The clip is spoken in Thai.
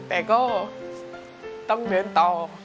แต่ก็ต้องเดินต่อ